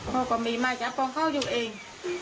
เขาก็มีมาจากของเขาอยู่เอง